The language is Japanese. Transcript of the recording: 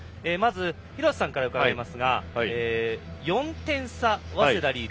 廣瀬さんから伺いますが４点差、早稲田がリード。